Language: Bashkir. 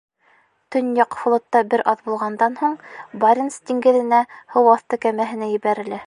Төньяҡ флотта бер аҙ булғандан һуң, Баренц диңгеҙенә һыу аҫты кәмәһенә ебәрелә.